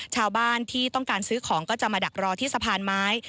ชาวบ้านที่ต้องการซื้อของก็จะมาดักรอที่สะพานไม้